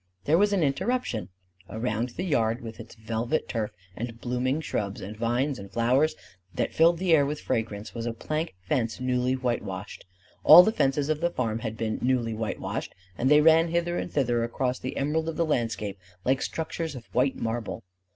There was an interruption. Around the yard with its velvet turf and blooming shrubs and vines and flowers, that filled the air with fragrance, was a plank fence newly whitewashed. All the fences of the farm had been newly whitewashed; and they ran hither and thither across the emerald of the landscape like structures of white marble.